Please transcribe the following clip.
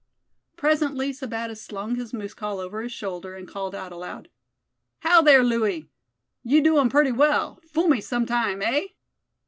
Presently Sebattis slung his moose call over his shoulder, and called out aloud: "How there, Louie! You do um purty well; fool me some time, hey?"